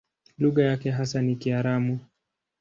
Lugha yake hasa ni Kiaramu.